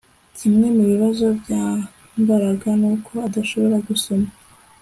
Kimwe mubibazo bya Mbaraga nuko adashobora gusoma